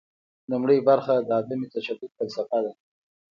لومړۍ برخه د عدم تشدد فلسفه ده.